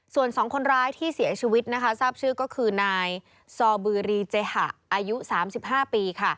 ส่วน๒คนร้ายที่เสียชีวิตนะคะทราบชื่อก็คือนายซอบือรีเจหะอายุ๓๕ปี